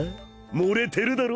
盛れてるだろ？